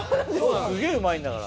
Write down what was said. すげぇうまいんだから。